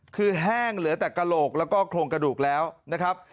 คือแห้งเหลือแต่กระโหลกแล้วก็โครงกระดูกแล้วนะครับ